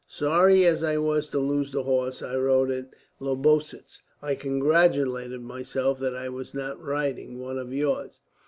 Sorry as I was to lose the horse I rode at Lobositz, I congratulated myself that I was not riding one of yours."